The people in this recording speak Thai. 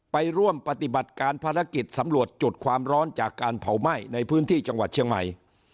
ไปร่วมปฏิบัติการภารกิจสำรวจจุดความร้อนจากการเผาไหม้ในพื้นที่จังหวัดเชียงใหม่